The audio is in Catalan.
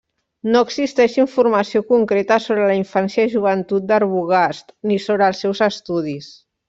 No existeix informació concreta sobre la infància i joventut d'Arbogast, ni sobre els seus estudis.